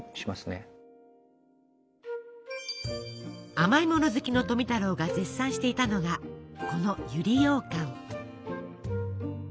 甘いもの好きの富太郎が絶賛していたのがこの百合ようかん。